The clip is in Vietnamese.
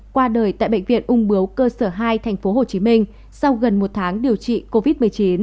qua đời tại bệnh viện ung bướu cơ sở hai tp hcm sau gần một tháng điều trị covid một mươi chín